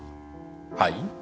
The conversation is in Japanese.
はい？